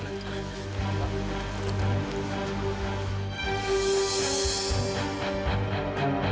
mereka dapat wawancara